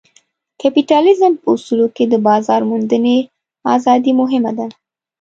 کپیټالیزم په اصولو کې د بازار موندنې ازادي مهمه ده.